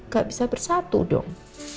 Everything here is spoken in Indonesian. gak bisa bersatu dong